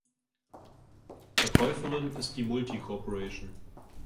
Verkäuferin ist die Multi Corporation.